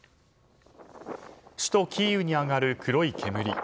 首都キーウに上がる黒い煙。